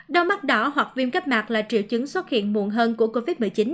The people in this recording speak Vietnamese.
đau mắt đỏ hoặc viêm cấp mạc là triệu chứng xuất hiện muộn hơn của covid một mươi chín